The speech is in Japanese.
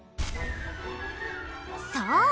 そう！